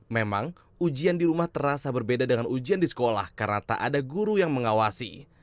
memang ujian di rumah terasa berbeda dengan ujian di sekolah karena tak ada guru yang mengawasi